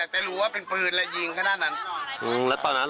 แต่รู้ว่าเป็นปืนแล้วทานนั้น